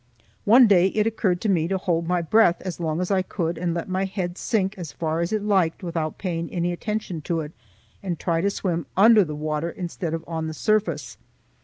One day it occurred to me to hold my breath as long as I could and let my head sink as far as it liked without paying any attention to it, and try to swim under the water instead of on the surface.